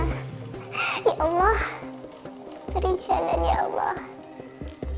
ya allah perencanaan ya allah